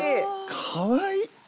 かわいい！